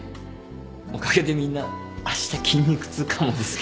おかげでみんなあした筋肉痛かもですけど。